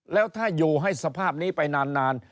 แล้วถ้าอยู่ให้สภาพนี้ไปนาน